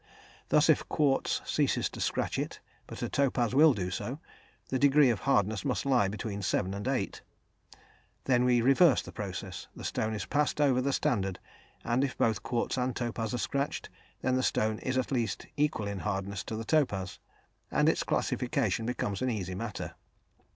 Thus if quartz ceases to scratch it, but a topaz will do so, the degree of hardness must lie between 7 and 8. Then we reverse the process: the stone is passed over the standard, and if both quartz and topaz are scratched, then the stone is at least equal in hardness to the topaz, and its classification becomes an easy matter.